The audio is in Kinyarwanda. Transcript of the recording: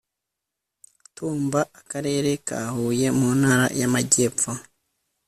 tumba akarere ka huye mu ntara y amajyepfo